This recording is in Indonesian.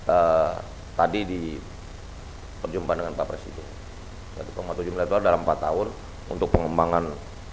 eh tadi diperjumpa dengan pak presiden satu tujuh miliar dolar dalam empat tahun untuk pengembangan